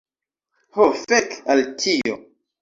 Ho fek al tio!